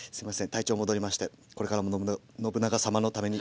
体調戻りましてこれからものぶな信長様のために。